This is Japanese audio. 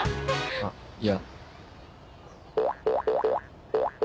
あっいや。